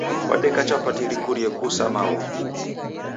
Kwadeka chapati rikurie kuu sa magho